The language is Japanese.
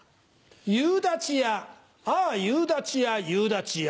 夕立やああ夕立や夕立や。